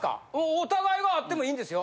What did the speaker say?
お互いがあってもいいんですよ。